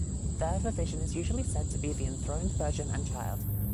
There the vision is usually said to be the enthroned Virgin and Child.